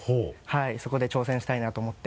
そこで挑戦したいなと思って。